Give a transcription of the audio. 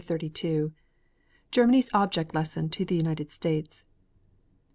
CHAPTER XXXII GERMANY'S OBJECT LESSON TO THE UNITED STATES.